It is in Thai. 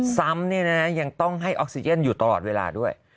ซ้ำยังต้องให้ออกซิเจนอยู่ตลอดเวลาด้วย